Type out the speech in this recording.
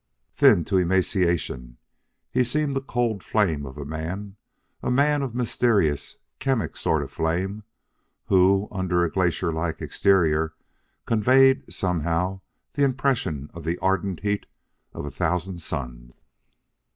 Thin to emaciation, he seemed a cold flame of a man, a man of a mysterious, chemic sort of flame, who, under a glacier like exterior, conveyed, somehow, the impression of the ardent heat of a thousand suns.